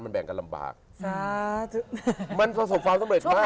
มันแบ่งกันลำบากสาธมันประสบความสำเร็จมาก